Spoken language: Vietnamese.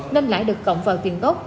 nên lãi được cộng vào tiền tốt